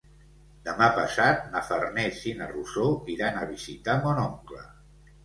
Demà passat na Farners i na Rosó iran a visitar mon oncle.